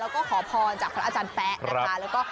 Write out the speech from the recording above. แล้วก็ขอพรจากพระอาจารย์แป๊ะนะคะ